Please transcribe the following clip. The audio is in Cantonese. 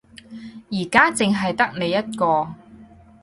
而家淨係得你一個